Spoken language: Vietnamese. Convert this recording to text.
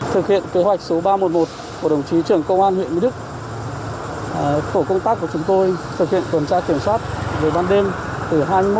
tổ công tác của chúng tôi thực hiện tuần tra kiểm soát về ban đêm